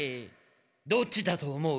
どっちだと思う？